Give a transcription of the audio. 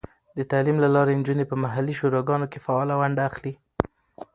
د تعلیم له لارې، نجونې په محلي شوراګانو کې فعاله ونډه اخلي.